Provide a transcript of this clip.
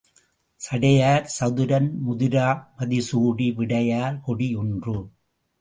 சடையார் சதுரன் முதிரா மதிசூடி விடையார் கொடி ஒன்று!